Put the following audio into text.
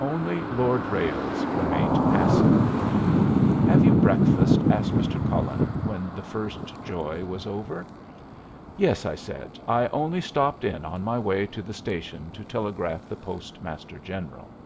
Only Lord Ralles remained passive. "Have you breakfasted?" asked Mr. Cullen, when the first joy was over. "Yes," I said. "I only stopped in on my way to the station to telegraph the Postmaster General."